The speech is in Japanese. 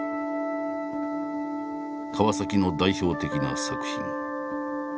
川の代表的な作品。